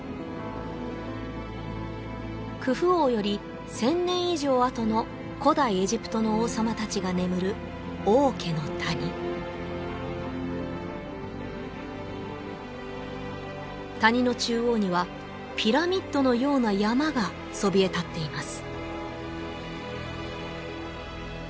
クフ王より１０００年以上あとの古代エジプトの王様達が眠る王家の谷谷の中央にはピラミッドのような山がそびえ立っています